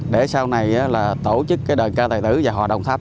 để sau này là tổ chức cái đơn ca tài tử và hòa đồng tháp